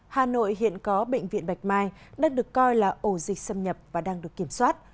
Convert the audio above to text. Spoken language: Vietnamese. hà nội hiện có bệnh viện bạch mai đang được coi là ổ dịch xâm nhập và đang được kiểm soát